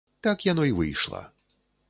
Так яно й выйшла.